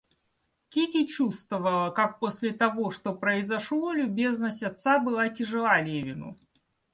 Кити чувствовала, как после того, что произошло, любезность отца была тяжела Левину.